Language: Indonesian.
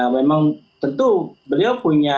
memang tentu beliau punya